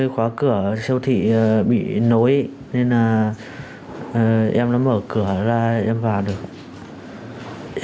khóa cửa siêu thị bị nối nên là em đã mở cửa ra em vào được